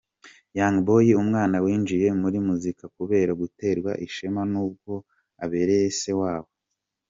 Young Boy umwana winjiye muri muzika kubera guterwa ishema n'uwo abereye se wabo.